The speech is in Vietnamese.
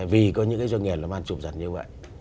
vì có những cái doanh nghiệp làm ăn trụm giật như vậy